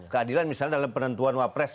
keadilan misalnya dalam penentuan wapres